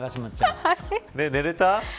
寝れた。